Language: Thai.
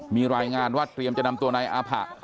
มีรายงานว่าเตรียมจะนำตัวนายอาผะ